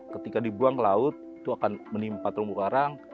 ketika dibuang ke laut itu akan menimpa terumbu karang